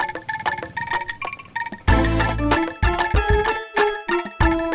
tapi saya gak mau nunggu kamu mikir lama lama